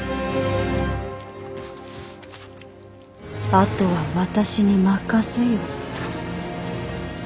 あとは私に任せよ。